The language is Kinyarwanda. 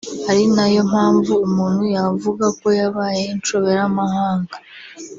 ari nayo mpamvu umuntu yavuga ko yabaye inshobera mahanga